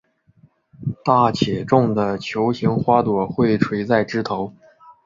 大且重的球形花朵会垂在枝头。